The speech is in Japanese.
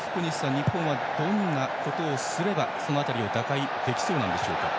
日本はどんなことをすればその辺りを打開できそうですか。